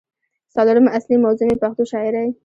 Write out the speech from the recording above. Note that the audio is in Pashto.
څلورمه اصلي موضوع مې پښتو شاعرۍ